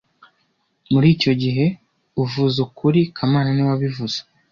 Muri icyo gihe, uvuze ukuri kamana niwe wabivuze